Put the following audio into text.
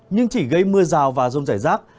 nhưng chỉ gây mưa rào và rông rải rác